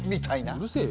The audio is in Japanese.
うるせえよ。